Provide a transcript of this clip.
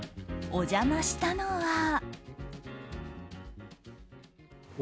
お邪魔したのは。